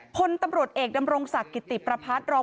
พลตำรวจเอกดำรงศักดิ์กิติประพัฒน์รอง